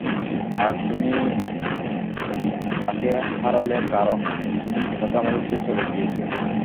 আর তুমি তাকে হারালে কারণ তুমি ইতোমধ্যে আমাদের ছেড়ে চলে গিয়েছো।